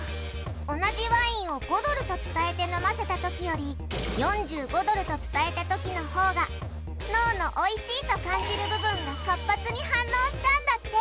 同じワインを「５ドル」と伝えて飲ませたときより「４５ドル」と伝えたときのほうが脳のおいしいと感じる部分が活発に反応したんだって！